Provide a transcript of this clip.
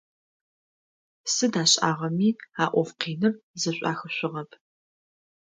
Сыд ашӀагъэми а Ӏоф къиныр зэшӀуахышъугъэп.